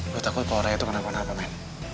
gue takut kalo raya tuh kenapa kenapa men